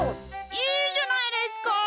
いいじゃないですか。